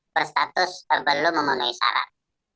bersatus belum memenuhi syarat